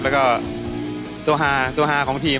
แล้วก็ตัวฮาตัวฮาของทีม